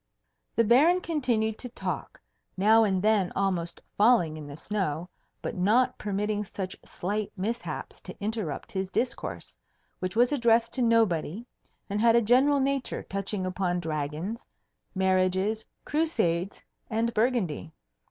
The Baron continued to talk, now and then almost falling in the snow, but not permitting such slight mishaps to interrupt his discourse, which was addressed to nobody and had a general nature, touching upon dragons, marriages, Crusades, and Burgundy.